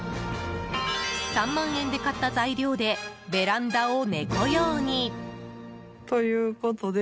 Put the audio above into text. ３万円で買った材料でベランダを猫用に。